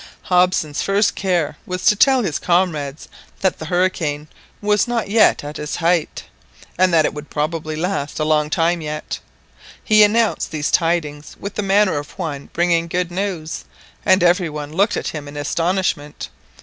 Hobson's first care was to tell his comrades that the hurricane was not yet at its height, and that it would probably last a long time yet. He announced these tidings with the manner of one bringing good news, and every one looked at him in astonishment.